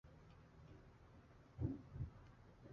贝尔卢。